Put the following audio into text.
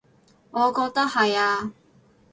我覺得係呀